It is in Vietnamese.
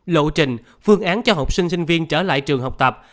lộ trình phương án cho học sinh sinh viên trở lại trường học tập